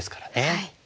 はい。